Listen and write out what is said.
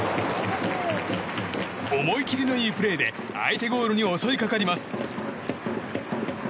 思い切りの良いプレーで相手ゴールに襲いかかります。